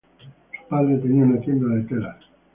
Su padre tenía una tienda de telas.